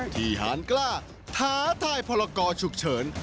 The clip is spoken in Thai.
ที่หารกล้าท้าท่ายพรากอจุกเฉิน